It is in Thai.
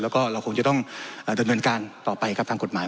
แล้วก็เราคงจะต้องดำเนินการต่อไปครับทางกฎหมาย